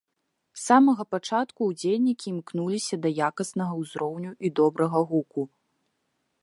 З самага пачатку ўдзельнікі імкнуліся да якаснага ўзроўню і добрага гуку.